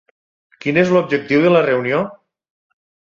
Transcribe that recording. Quin és l'objectiu de la reunió?